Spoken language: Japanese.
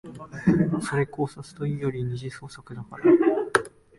それ考察というより二次創作だから